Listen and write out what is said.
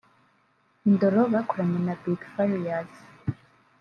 ‘Indoro bakoranye na Big Farious’